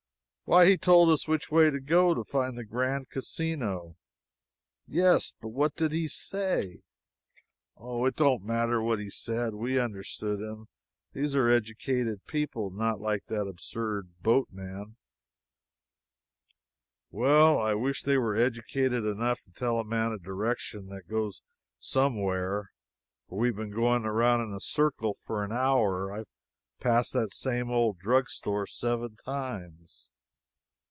"Why, he told us which way to go to find the Grand Casino." "Yes, but what did he say?" "Oh, it don't matter what he said we understood him. These are educated people not like that absurd boatman." "Well, I wish they were educated enough to tell a man a direction that goes some where for we've been going around in a circle for an hour. I've passed this same old drugstore seven times."